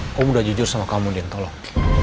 aku udah jujur sama kamu din tolong